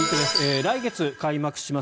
来月開幕します